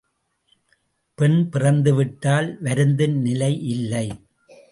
பெண் பிறந்துவிட்டால் வருந்தும் நிலை இல்லை.